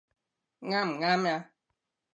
啱唔啱呀？